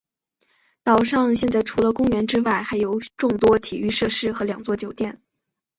岛上现在除了公园之外还有众多体育设施和两座酒店。